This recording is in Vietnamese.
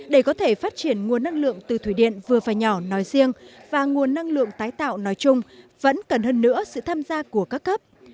để có thể phát triển nguồn năng lượng từ thủy điện vừa và nhỏ nói riêng và nguồn năng lượng tái tạo nói chung vẫn cần hơn nữa sự tham gia của các cấp